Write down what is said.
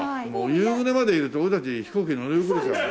夕暮れまでいると俺たち飛行機に乗り遅れちゃう。